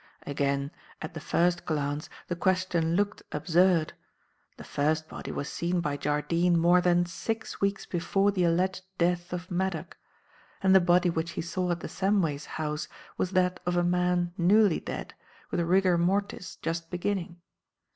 "Again, at the first glance, the question looked absurd. The first body was seen by Jardine more than six weeks before the alleged death of Maddock; and the body which he saw at the Samways' house was that of a man newly dead, with rigor mortis just beginning.